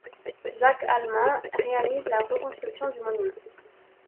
Jacques Alleman, réalise la reconstruction du monument.